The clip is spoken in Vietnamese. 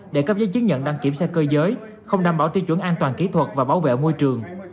để cấp giấy chứng nhận đăng kiểm xe cơ giới không đảm bảo tiêu chuẩn an toàn kỹ thuật và bảo vệ môi trường